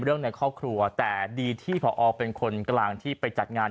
ในครอบครัวแต่ดีที่ผอเป็นคนกลางที่ไปจัดงาน